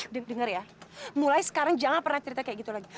didengar ya mulai sekarang jangan pernah cerita kayak gitu lagi